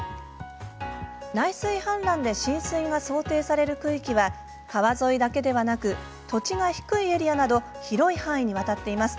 内水氾濫で浸水が想定される区域は川沿いだけではなく土地が低いエリアなど広い範囲にわたっています。